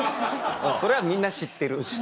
それはみんな知ってる。